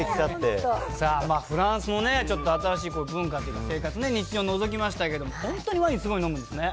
さあ、フランスもね、ちょっと新しい文化、生活ね、日常をのぞきましたけど、本当にワインすごい飲むんですね。